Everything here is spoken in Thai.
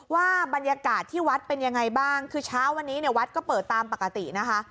ว่าบรรยากาศที่วัดเป็นยังไงบ้างคือเช้าวันนี้เนี่ยวัดก็เปิดตามปกตินะคะ